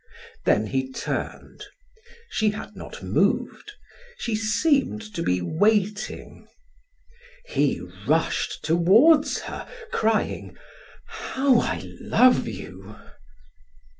Then he turned. She had not moved; she seemed to be waiting. He rushed toward her crying: "How I love you!"